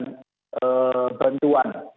kami juga melakukan bantuan